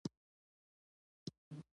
دا ښه هواداره او زړه راکښونکې سیمه ده.